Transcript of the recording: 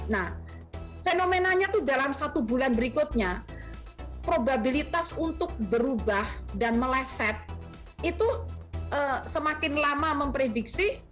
nah fenomenanya itu dalam satu bulan berikutnya probabilitas untuk berubah dan meleset itu semakin lama memprediksi